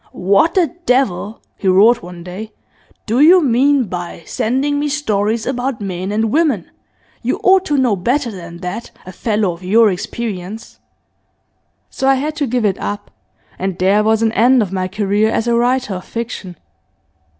"What the devil," he roared one day, "do you mean by sending me stories about men and women? You ought to know better than that, a fellow of your experience!" So I had to give it up, and there was an end of my career as a writer of fiction.